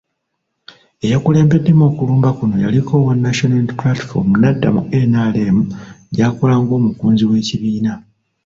Eyakulembeddemu okulumba kuno yaliko owa National Unity Platform n'adda mu NRM gy'akola ng'omukunzi w'ekibiina.